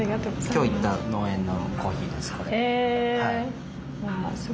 今日行った農園のコーヒーです